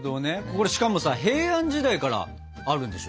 これしかもさ平安時代からあるんでしょ？